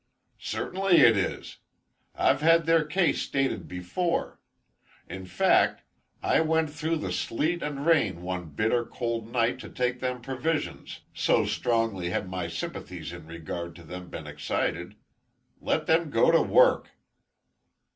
"Certainly it is. I've had their case stated before. In fact, I went through the sleet and rain one bitter cold night to take them provisions, so strongly had my sympathies in regard to them been excited. Let them go to work."